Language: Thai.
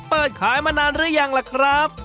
เปิดขายมานานหรือยังล่ะครับ